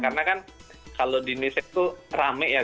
karena kan kalau di indonesia tuh rame ya